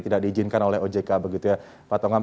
tidak diizinkan oleh ojk begitu ya pak tongam